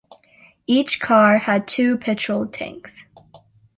Each car had two petrol tanks.